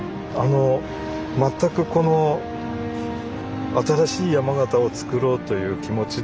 全くこの「新しい山形をつくろう」という気持ちで。